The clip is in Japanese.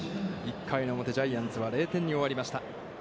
ジャイアンツは０点に終わりました。